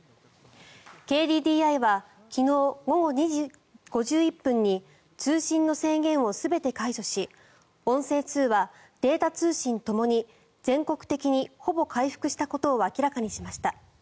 ＫＤＤＩは昨日午後２時５１分に通信の制限を全て解除し音声通話、データ通信ともに全国的にほぼ回復したことを明らかにしました。